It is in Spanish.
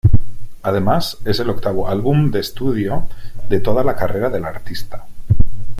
Además, es el octavo álbum de estudio de toda la carrera de la artista.